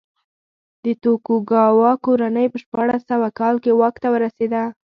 د توکوګاوا کورنۍ په شپاړس سوه کال کې واک ته ورسېده.